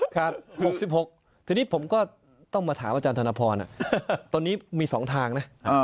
ครับ๖๖ทีนี้ผมก็ต้องมาถามอาจารย์ธนพรตอนนี้มี๒ทางนะ